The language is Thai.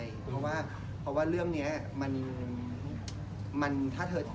เพราะว่าเรื่องเนี่ยถ้ามันทำให้เธออึดหัก